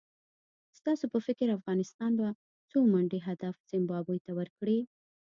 ستاسو په فکر افغانستان به څو منډي هدف زیمبابوې ته ورکړي؟